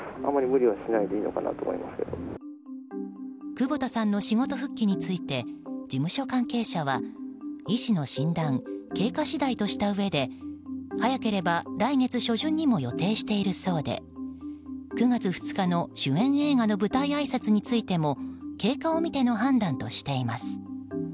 窪田さんの仕事復帰について事務所関係者は医師の診断経過次第としたうえで早ければ来月初旬にも予定しているそうで９月２日の主演映画の舞台あいさつについても経過を見ての判断としています。